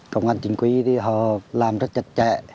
công an chính quy làm rất chật chẽ